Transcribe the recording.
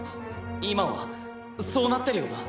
今はそうなってるよな？